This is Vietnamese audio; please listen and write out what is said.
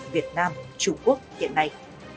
việt nam trung quốc hiện nay